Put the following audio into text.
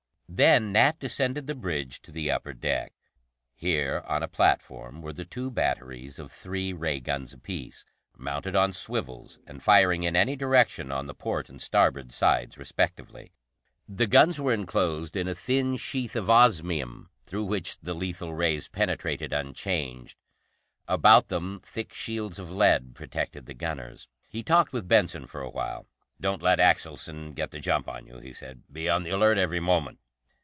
Then Nat descended the bridge to the upper deck. Here, on a platform, were the two batteries of three ray guns apiece, mounted on swivels, and firing in any direction on the port and starboard sides respectively. The guns were enclosed in a thin sheath of osmium, through which the lethal rays penetrated unchanged; about them, thick shields of lead protected the gunners. He talked with Benson for a while. "Don't let Axelson get the jump on you," he said. "Be on the alert every moment."